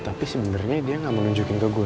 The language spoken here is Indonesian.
tapi sebenernya dia gak mau nunjukin ke gue